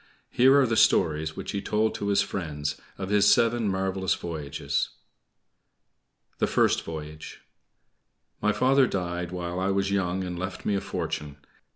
Here are the stories which he told to his friends of his seven marvelous voyages. THE FIRST VOYAGE My father died while I was young and left me a fortune.